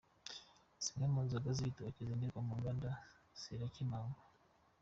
Zimwe mu nzoga z’ibitoki zengerwa mu nganda zirakemangwa